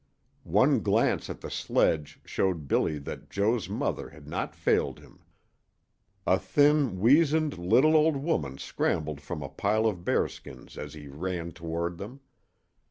One glance at the sledge showed Billy that Joe's mother had not failed him. A thin, weazened little old woman scrambled from a pile of bearskins as he ran toward them.